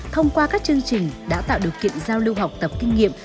thông qua các chương trình đã tạo điều kiện giao lưu học tập kinh nghiệm